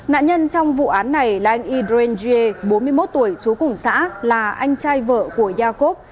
nạn nhân trong vụ án này là anh idren gie bốn mươi một tuổi trú cùng xã là anh trai vợ của iacob